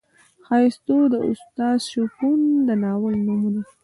ښایستو د استاد شپون د ناول نوم دی.